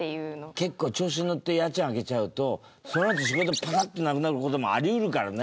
結構調子にのって家賃上げちゃうとそのあと仕事パタッてなくなる事もあり得るからね。